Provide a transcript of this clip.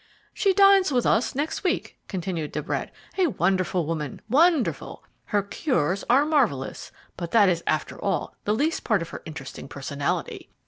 "She dines with us next week," continued De Brett; "a wonderful woman, wonderful! Her cures are marvellous; but that is after all the least part of her interesting personality.